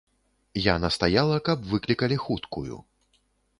Я настаяла, каб выклікалі хуткую.